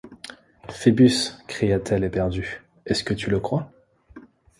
Phœbus! cria-t-elle éperdue, est-ce que tu le crois?